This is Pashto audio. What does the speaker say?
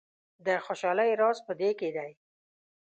د خوشحالۍ راز په دې کې دی.